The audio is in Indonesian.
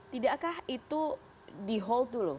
tidakkah itu di hold dulu